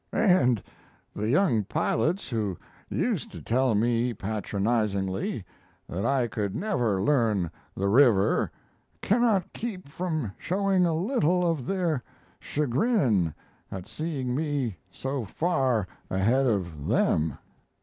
And the young pilots who use to tell me, patronizingly, that I could never learn the river cannot keep from showing a little of their chagrin at seeing me so far ahead of them.